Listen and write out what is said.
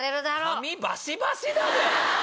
髪バシバシだべ！